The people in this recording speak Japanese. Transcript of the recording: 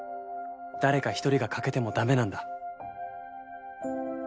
誰か一人が欠けても駄目なんだ。